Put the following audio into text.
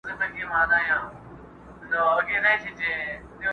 o هر څوک په خپل نامه ها کوي٫